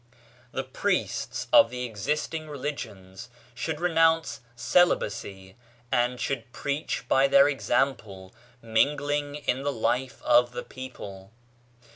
The priests of the existing religions should renounce celibacy, and should preach by their example, mingling in the life of the people.